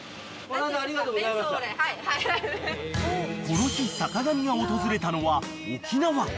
［この日坂上が訪れたのは］